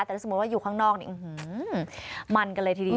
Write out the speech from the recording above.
แต่ถ้าสมมุติว่าอยู่ข้างนอกนี่มันกันเลยทีเดียว